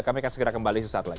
kami akan segera kembali sesaat lagi